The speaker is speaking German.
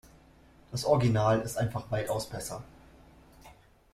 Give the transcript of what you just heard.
Das Original ist einfach weitaus besser.